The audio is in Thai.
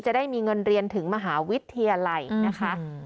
ได้มีเงินเรียนถึงมหาวิทยาลัยนะคะ